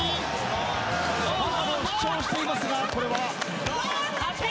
ファウルを主張していますがこれは。